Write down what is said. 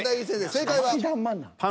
正解は？